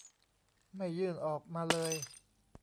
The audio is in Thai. ไม่ยื่นออกมาเลย